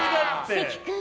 関君。